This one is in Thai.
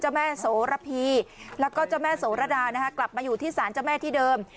แม่โสระพีแล้วก็เจ้าแม่โสระดานะคะกลับมาอยู่ที่สารเจ้าแม่ที่เดิม